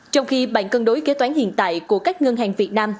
trong khi bản cân đối kế toán hiện tại của các ngân hàng việt nam